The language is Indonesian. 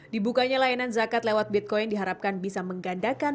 dibukanya layanan zakat lewat bitcoin diharapkan bisa menggandakan